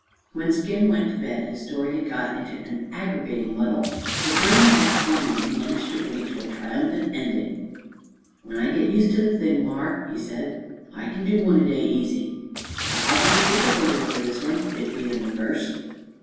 When Skim went to bed his story had got into an aggravating muddle, but during the next forenoon he managed to bring it to a triumphant ending. "When I git used to the thing, mar," he said, "I kin do one a day, easy. I had to be pertickler over this one, it bein' the first."